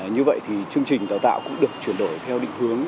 như vậy thì chương trình đào tạo cũng được chuyển đổi theo định hướng